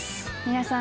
皆さん